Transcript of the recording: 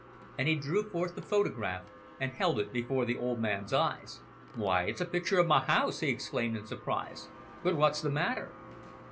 and he drew forth the photograph and held it before the old man's eyes. "Why, it's a picture o' my house," he exclaimed in surprise. "But what's the matter!"